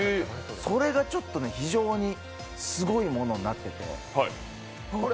それが非常にすごいものになってて。